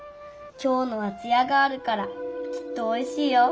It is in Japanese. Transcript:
きょうのはつやがあるからきっとおいしいよ。